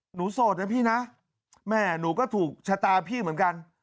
โสดนะพี่นะแม่หนูก็ถูกชะตาพี่เหมือนกัน